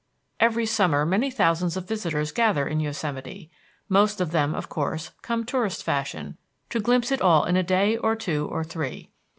III Every summer many thousands of visitors gather in Yosemite. Most of them, of course, come tourist fashion, to glimpse it all in a day or two or three.